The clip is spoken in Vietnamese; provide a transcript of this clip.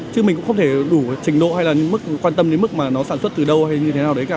chứ mình cũng không thể đủ trình độ hay là những mức quan tâm đến mức mà nó sản xuất từ đâu hay như thế nào đấy cả